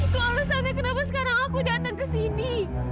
kalau sana kenapa sekarang aku datang ke sini